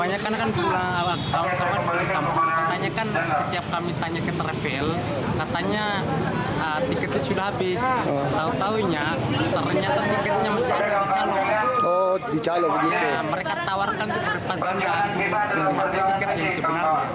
ya mereka tawarkan ke peribadanda yang dihadir tiket yang sebenarnya